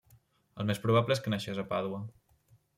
El més probable és que naixés a Pàdua.